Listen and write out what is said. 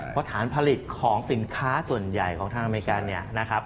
เพราะฐานผลิตของสินค้าส่วนใหญ่ของทางอเมริกัน